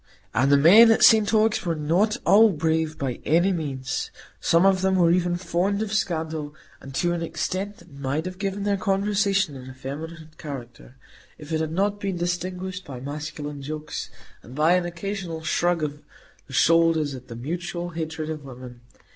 And the men at St Ogg's were not all brave, by any means; some of them were even fond of scandal, and to an extent that might have given their conversation an effeminate character, if it had not been distinguished by masculine jokes, and by an occasional shrug of the shoulders at the mutual hatred of women.